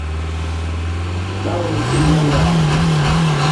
Ɓa ol tit la ngaa.